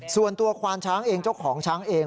ส่วนตัวควานช้างเองเจ้าของช้างเอง